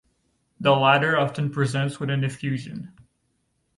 The latter often presents with an effusion.